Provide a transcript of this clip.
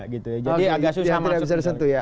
gitu ya jadi agak susah masuk